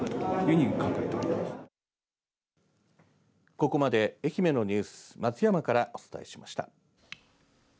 ここまで愛媛のニュース松山からお伝えしました。